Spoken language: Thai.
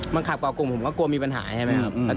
มาขับปลืงผมก็กลัวมีปัญหาใช่ไหมครับ